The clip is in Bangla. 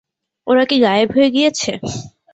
ওরা কি গায়েব হয়ে গিয়েছে?